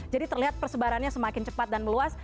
jadi terlihat persebarannya semakin cepat dan meluas